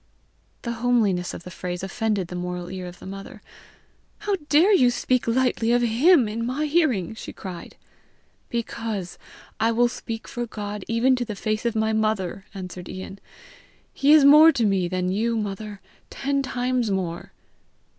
The homeliness of the phrase offended the moral ear of the mother. "How dare you speak lightly of HIM in my hearing!" she cried. "Because I will speak for God even to the face of my mother!" answered Ian. "He is more to me than you, mother ten times more."